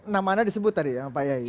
namanya disebut tadi ya pak yai